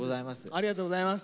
ありがとうございます。